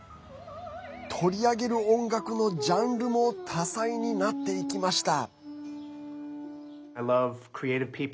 取り上げる音楽のジャンルも多彩になっていきました。